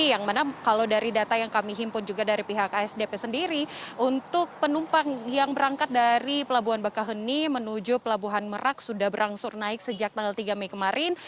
yang mana kalau dari data yang kami himpun juga dari pihak asdp sendiri untuk penumpang yang berangkat dari pelabuhan bakahuni menuju pelabuhan merak sudah berangsur naik sejak tanggal tiga mei kemarin